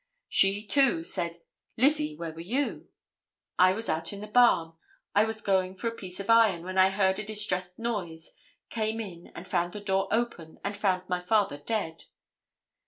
She, too, said, "Lizzie, where were you?" "I was out in the barn. I was going for a piece of iron when I heard a distressed noise, came in and found the door open, and found my father dead."